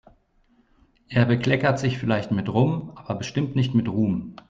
Er bekleckert sich vielleicht mit Rum, aber bestimmt nicht mit Ruhm.